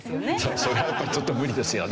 それはちょっと無理ですよね。